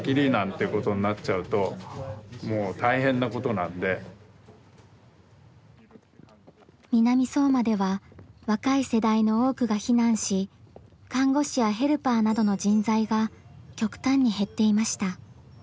やっぱりもし南相馬では若い世代の多くが避難し看護師やヘルパーなどの人材が極端に減っていました。